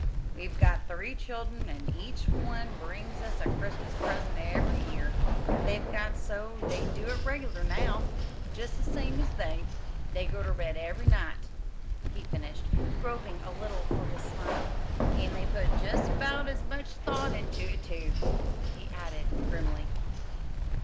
"We've got three children, an' each one brings us a Christmas present ev'ry year. They've got so they do it reg'lar now, jest the same as they they go ter bed ev'ry night," he finished, groping a little for his simile. "An' they put jest about as much thought into it, too," he added grimly.